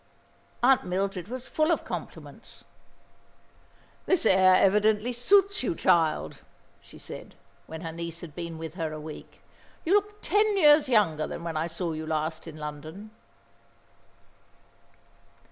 Aunt Mildred was full of compliments. "This air evidently suits you, child," she said, when her niece had been with her a week. "You look ten years younger than when I saw you last in London."